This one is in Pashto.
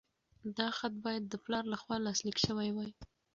دا خط باید د پلار لخوا لاسلیک شوی وای.